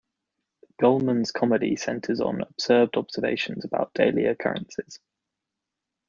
Gulman's comedy centers on absurd observations about daily occurrences.